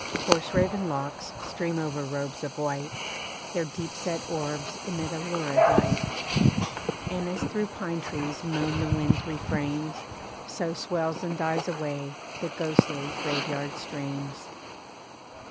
Coarse raven locks stream over robes of white, Their deep set orbs emit a lurid light, And as through pine trees moan the winds refrains, So swells and dies away, the ghostly graveyard strains.